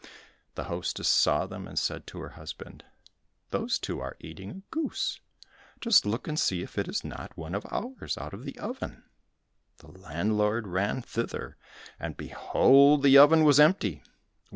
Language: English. The hostess saw them and said to her husband, "Those two are eating a goose; just look and see if it is not one of ours, out of the oven." The landlord ran thither, and behold the oven was empty!